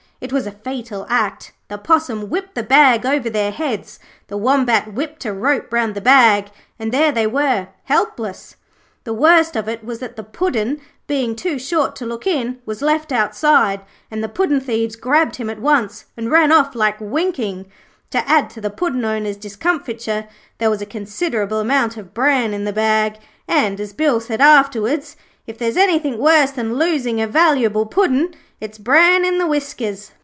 It was a fatal act. The Possum whipped the bag over their heads, the Wombat whipped a rope round the bag, and there they were, helpless. The worst of it was that the Puddin', being too short to look in, was left outside, and the puddin' thieves grabbed him at once and ran off like winking. To add to the Puddin' owners' discomfiture there was a considerable amount of bran in the bag; and, as Bill said afterwards, 'if there's anything worse than losing a valuable Puddin', it's bran in the whiskers'.